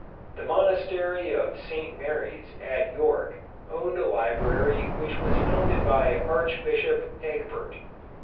The monastery of St Mary's at York owned a library which was founded by Archbishop Egbert.